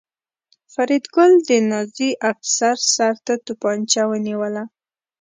فریدګل د نازي افسر سر ته توپانچه ونیوله